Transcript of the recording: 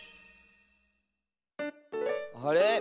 あれ？